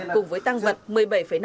cùng với thắng và lò văn dũng